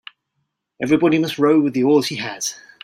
Everybody must row with the oars he has.